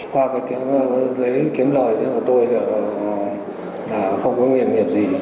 qua các giấy kiếm lời thì tôi là không có nguyện nghiệp gì